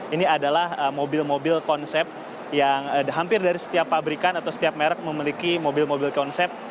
ini adalah mobil mobil konsep yang hampir dari setiap pabrikan atau setiap merek memiliki mobil mobil konsep